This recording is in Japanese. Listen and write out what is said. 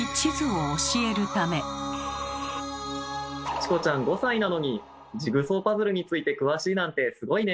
チコちゃん５歳なのにジグソーパズルについて詳しいなんてすごいね。